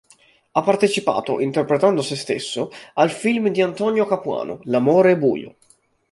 Ha partecipato, interpretando se stesso, al film di Antonio Capuano "L'amore buio".